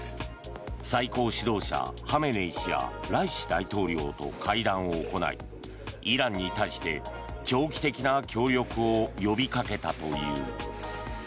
最高指導者ハメネイ師やライシ大統領と会談を行いイランに対して長期的な協力を呼びかけたという。